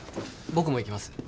僕も行きます。